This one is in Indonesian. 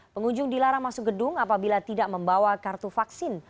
pengunjung dilarang masuk gedung apabila tidak membawa kartu vaksin